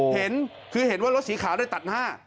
เห็นคือเห็นว่ารถสีขาวได้ตัดหน้า